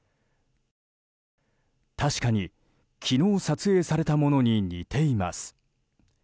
確かに、昨日撮影されたものに似ています。